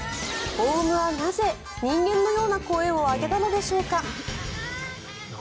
オウムはなぜ、人間のような声を上げたのでしょうか。